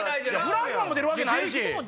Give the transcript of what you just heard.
「フランスパン」も出るわけないし。